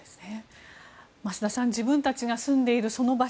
増田さん自分たちが住んでいる場所